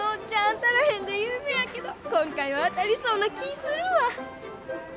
当たらへんで有名やけど今回は当たりそうな気ぃするわ！